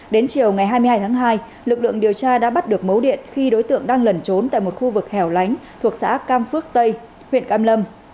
đến chiều ngày hai mươi hai tháng hai lực lượng điều tra đã bắt được mấu điện khi đối tượng đang lẩn trốn tại một khu vực hẻo lánh thuộc xã cam phước tây huyện cam lâm